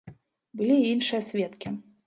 Былі і іншыя сведкі.